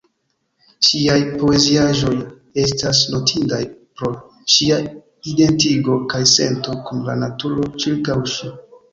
Ŝiaj poeziaĵoj estas notindaj pro ŝia identigo kaj sento kun la naturo ĉirkaŭ ŝi.